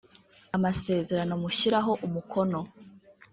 amasezerano mushyiraho umukono